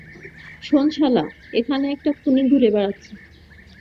শোন শালা, এখানে একটা খুনি ঘুরে বেড়াচ্ছে।